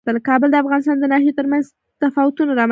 کابل د افغانستان د ناحیو ترمنځ تفاوتونه رامنځ ته کوي.